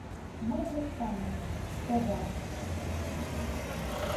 «Мый лектам ыле, товат